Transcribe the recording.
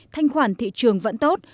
thanh khoản thị trường vẫn tốt